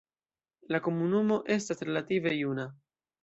La komunumo estas relative juna.